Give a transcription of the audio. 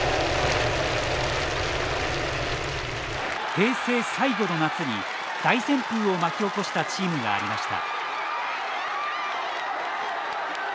平成最後の夏に大旋風を巻き起こしたチームがありました。